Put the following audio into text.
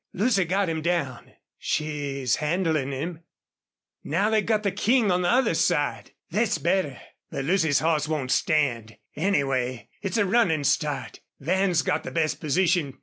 Lucy's got him down. She's handlin' him.... Now they've got the King on the other side. Thet's better. But Lucy's hoss won't stand. Anyway, it's a runnin' start.... Van's got the best position.